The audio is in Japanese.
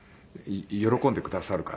喜んでくださるかな？